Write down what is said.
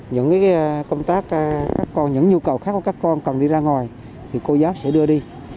những nhu cầu khác của các con cần đi ra ngồi cô giáo sẽ đưa đi